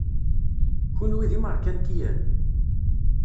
Kenwi d imerkantiyen?